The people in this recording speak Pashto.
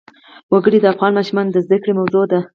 وګړي د افغان ماشومانو د زده کړې موضوع ده.